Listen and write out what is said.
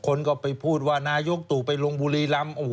คนก็ไปพูดว่านายกตู่ไปลงบุรีรำ